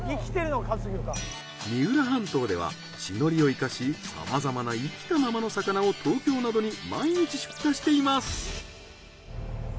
三浦半島では地の利を生かしさまざまな生きたままの魚を東京などに毎日出荷しています。